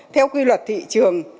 theo quy luật thị trường